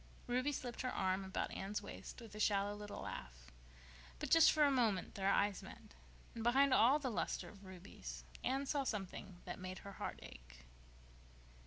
Ruby slipped her arm about Anne's waist with a shallow little laugh. But just for a moment their eyes met, and, behind all the luster of Ruby's, Anne saw something that made her heart ache.